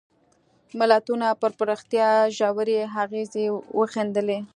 ملتونو پر پراختیا ژورې اغېزې وښندلې.